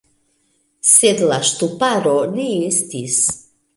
Sed la ŝtuparo ne estis.